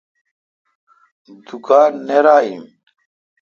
دوکان نیر این۔